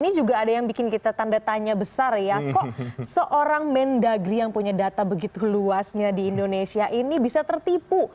ini juga ada yang bikin kita tanda tanya besar ya kok seorang mendagri yang punya data begitu luasnya di indonesia ini bisa tertipu